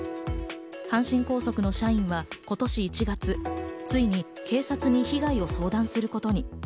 阪神高速の社員は今年１月、ついに警察に被害を相談することに。